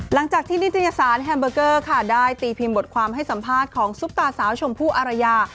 หลังจากที่นิตยสารแฮมเบอร์เกอร์ค่ะได้ตีพิมพ์บทความให้สัมภาษณ์ของซุปตาสาวชมพู่อารยา